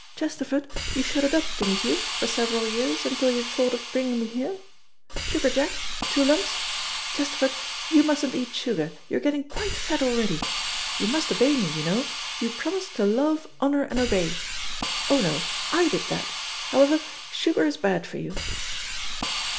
Chesterford, you shut it up, didn't you, for several years, until you thought of bringing me here? Sugar, Jack? Two lumps? Chesterford, you mustn't eat sugar, you're getting quite fat already. You must obey me, you know. You promised to love, honour and obey. Oh, no; I did that. However, sugar is bad for you."